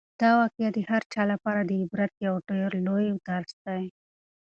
دا واقعه د هر چا لپاره د عبرت یو ډېر لوی درس دی.